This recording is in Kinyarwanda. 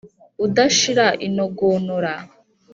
udashira inogonora